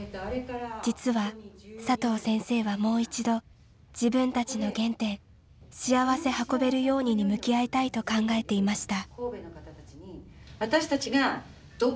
実は佐藤先生はもう一度自分たちの原点「しあわせ運べるように」に向き合いたいと考えていました。